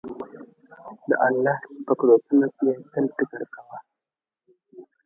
د الله چي په قدرتونو کي تل فکر کوه